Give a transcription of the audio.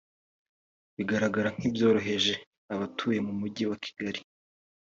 bigaragara nk’ibyorohereje abatuye mu mujyi wa Kigali